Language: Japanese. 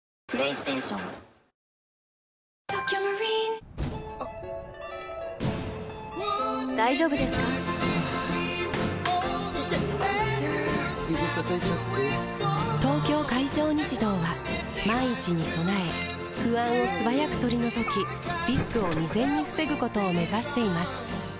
指たたいちゃって・・・「東京海上日動」は万一に備え不安を素早く取り除きリスクを未然に防ぐことを目指しています